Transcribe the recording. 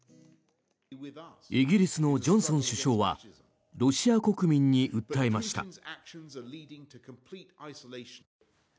イギリスのジョンソン首相はロシア国民に訴えました。